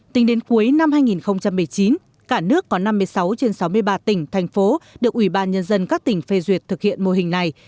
tính đến cuối năm hai nghìn một mươi chín cả nước có năm mươi sáu trên sáu mươi ba tỉnh thành phố được ủy ban nhân dân các tỉnh phê duyệt thực hiện mô hình này